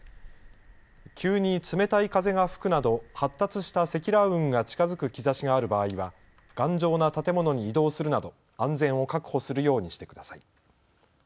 急に冷たい風が吹くなど発達した積乱雲が近づく兆しがある場合は頑丈な建物に移動するなど安全を確保するようにしてください。